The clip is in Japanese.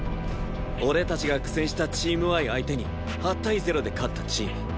俺たちが苦戦したチームＹ相手に８対０で勝ったチーム。